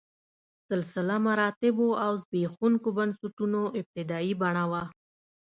سلسله مراتبو او زبېښونکو بنسټونو ابتدايي بڼه وه.